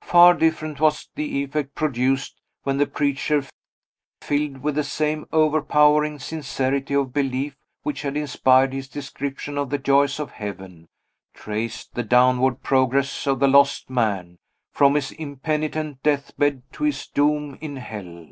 Far different was the effect produced when the preacher, filled with the same overpowering sincerity of belief which had inspired his description of the joys of heaven, traced the downward progress of the lost man, from his impenitent death bed to his doom in hell.